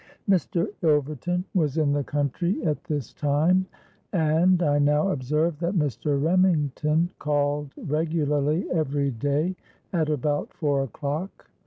"Mr. Ilverton was in the country at this time; and I now observed that Mr. Remington called regularly every day at about four o'clock.